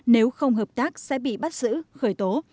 nếu không hợp tác sẽ bị bắt giữ khởi tố